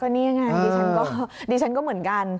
นี่ยังไงดีฉันก็เหมือนกัน